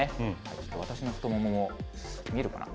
ちょっと私の太もも、見えるかな？